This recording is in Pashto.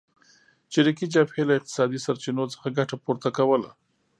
چریکي جبهې له اقتصادي سرچینو څخه ګټه پورته کوله.